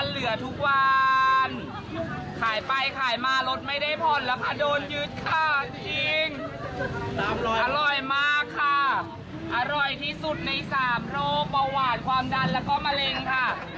อร่อยที่สุดใน๓โรคประหว่านความดันและก็มะเร็งค่ะ